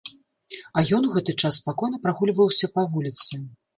А ён у гэты час спакойна прагульваўся па вуліцы.